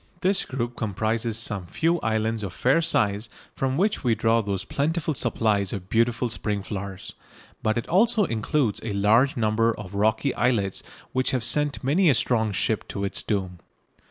This group comprises some few islands of fair size from which we draw those plentiful supplies of beautiful spring flowers, but it also includes a large number of rocky islets which have sent many a strong ship to its doom.